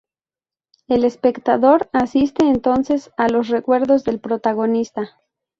El espectador asiste entonces a los recuerdos del protagonista.